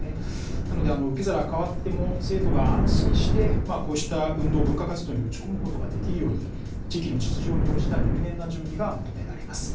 なので、受け皿は変わっても、生徒が安心して、こうした運動、文化活動に打ち込むことができるように、地域の実情に応じた入念な準備が求められます。